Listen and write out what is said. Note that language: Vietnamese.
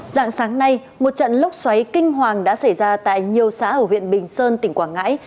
dạng sáng nay một trận lốc xoáy kinh hoàng đã xảy ra tại nhiều xã ở huyện bình sơn tỉnh quảng ngãi